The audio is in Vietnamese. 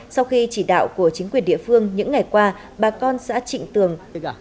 sau khi chỉ đạo của chính quyền địa phương những ngày qua bà con xã trịnh tường